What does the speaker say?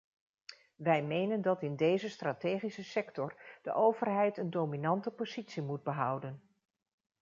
Wij menen dat in deze strategische sector de overheid een dominante positie moet behouden.